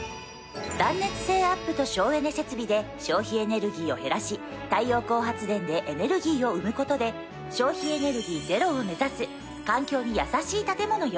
断熱性アップと省エネ設備で消費エネルギーを減らし太陽光発電でエネルギーを生む事で消費エネルギー０を目指す環境に優しい建物よ。